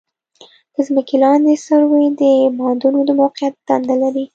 د ځمکې لاندې سروې د معادنو د موقعیت دنده لري